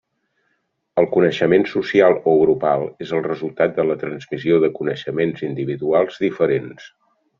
El coneixement social o grupal és el resultat de la transmissió de coneixements individuals diferents.